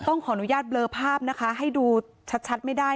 ขออนุญาตเบลอภาพนะคะให้ดูชัดไม่ได้